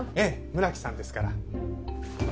村木さんですから。